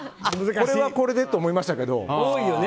これはこれでと思いましたけどね。